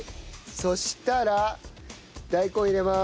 そしたら大根入れます。